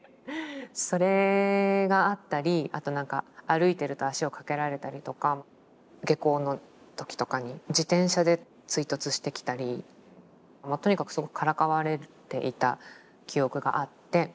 それがあったりあとなんか歩いてると足をかけられたりとか下校の時とかに自転車で追突してきたりとにかくからかわれていた記憶があって。